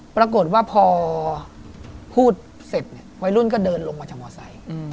ปรากฏว่าพอพูดเสร็จวัยรุ่นก็เดินลงมาจากมอสาย